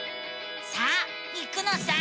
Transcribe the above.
さあ行くのさ！